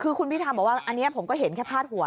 คือคุณพิธาบอกว่าอันนี้ผมก็เห็นแค่พาดหัว